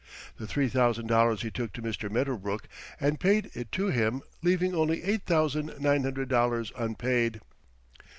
The three thousand dollars he took to Mr. Medderbrook and paid it to him, leaving only eight thousand nine hundred dollars unpaid.